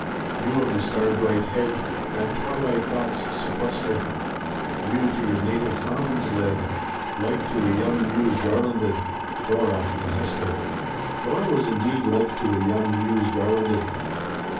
You of the star bright head That twilight thoughts sequester : You to your native fountains led. Like to a young Muse garlanded: Dora^ and Hester. Dora was indeed "like to a young Muse garlanded."